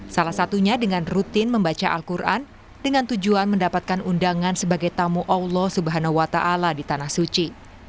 salah satunya dengan rutin membaca al quran dengan tujuan mendapatkan undangan sebagai tamu allah swt di tanah suci